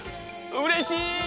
うれしい！